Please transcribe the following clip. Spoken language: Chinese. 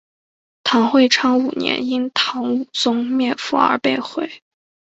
唐会昌五年因唐武宗灭佛而被毁。